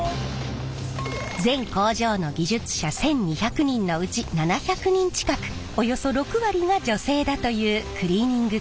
全工場の技術者１，２００人のうち７００人近くおよそ６割が女性だというクリーニング工場。